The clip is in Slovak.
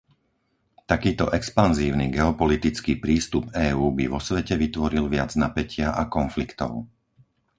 Takýto expanzívny geopolitický prístup EÚ by vo svete vytvoril viac napätia a konfliktov.